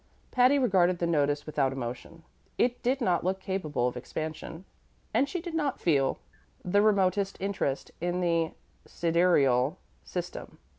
Patty regarded the notice without emotion. It did not look capable of expansion, and she did not feel the remotest interest in the sidereal system.